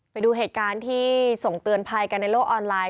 ไปดูเหตุการณ์ที่ส่งเตือนภัยกันในโลกออนไลน